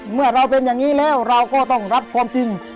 เมื่อเราเป็นอย่างนี้แล้วเราก็ต้องรับความจริง